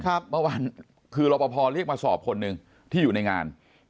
เมื่อวานคือรอปภเรียกมาสอบคนหนึ่งที่อยู่ในงาน